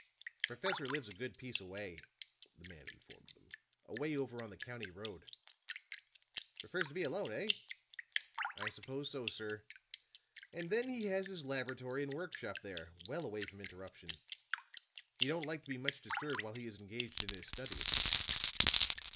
"The professor lives a good piece away," the man informed them. "Away over on the county road." "Prefers to be alone, eh?" "I suppose so, sir. And then he has his laboratory and work shop there, well away from interruption. He don't like to be much disturbed while he is engaged in his studies."